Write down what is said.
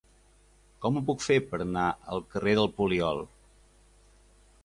Com ho puc fer per anar al carrer del Poliol?